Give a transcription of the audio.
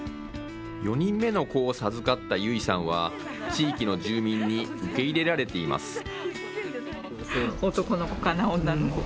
４人目の子を授かったゆいさんは地域の住民に受け入れられています。